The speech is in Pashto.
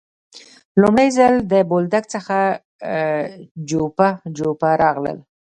لومړی ځل له بولدک څخه جوپه جوپه راغلل.